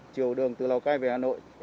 chiều đường từ lào cai về hà nội